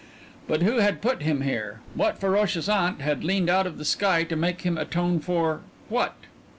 But who had put him here? What ferocious aunt had leaned out of the sky to make him atone for what?